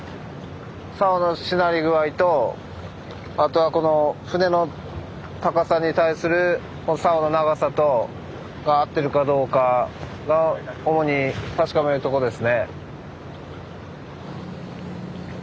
さおのしなり具合とあとはこの船の高さに対するさおの長さとが合ってるかどうかが主に確かめるとこですね。